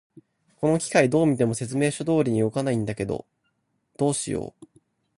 この機械、どう見ても説明書通りに動かないんだけど、どうしよう。